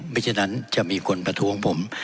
ไม่เช่นนั้นจะมีคนประท้วงผม